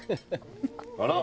あら！